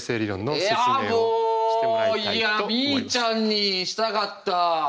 いやみいちゃんにしたかった。